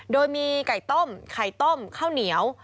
โดยมีไก่ต้มไข่ต้มข้าวเหนียว